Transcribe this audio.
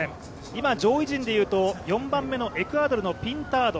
今、上位陣でいうと４番目のエクアドルのピンタード